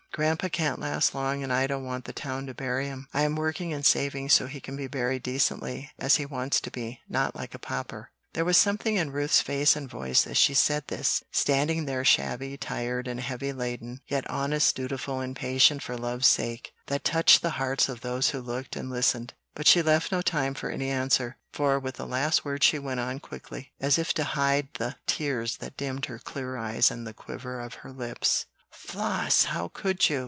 Grandpa can't last long, and I don't want the town to bury him. I'm working and saving so he can be buried decently, as he wants to be, not like a pauper." There was something in Ruth's face and voice as she said this, standing there shabby, tired, and heavy laden, yet honest, dutiful and patient for love's sake, that touched the hearts of those who looked and listened; but she left no time for any answer, for with the last word she went on quickly, as if to hide the tears that dimmed her clear eyes and the quiver of her lips. "Floss, how could you!"